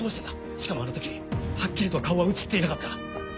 しかもあの時はっきりとは顔は映っていなかった。